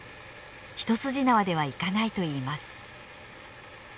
一筋縄ではいかないといいます。